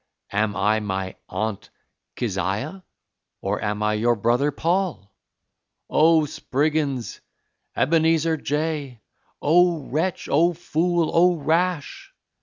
Am I my Aunt Kiziah, or am I your brother Paul? Oh, Spriggins Ebenezer J! Oh, wretch! Oh, fool! Oh, rash!